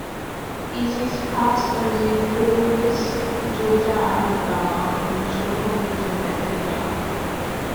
It is part of the Columbus, Georgia-Alabama Metropolitan Area.